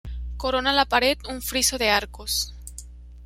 Corona la pared un friso de arcos.